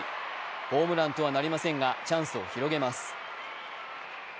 ホームランとはなりませんがチャンスを広げます。